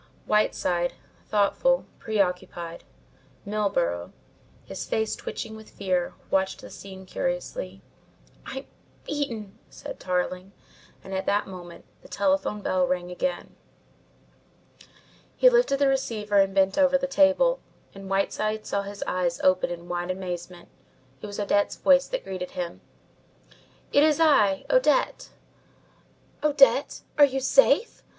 Whiteside, thoughtful, preoccupied; Milburgh, his face twitching with fear, watched the scene curiously. "I'm beaten," said Tarling and at that moment the telephone bell rang again. He lifted the receiver and bent over the table, and Whiteside saw his eyes open in wide amazement. It was Odette's voice that greeted him. "It is I, Odette!" "Odette! Are you safe?